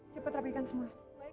cepat rapikan semua